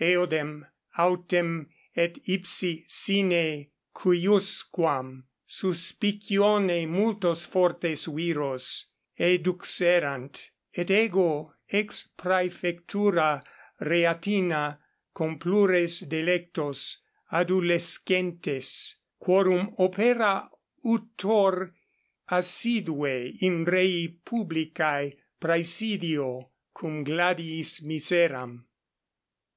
Eodem autem et ipsi sine cuiusquam suspicione multos fortes viros eduxerant, et ego ex praefectura Reatina complures delectos adulescentes, quorum opera utor assidue in rei publicae praesidio, cum gladiis miseram.